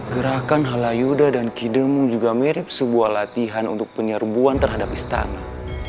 gerakan halayuda dan kidemung juga mirip sebuah latihan untuk penyerbuan terhadap istana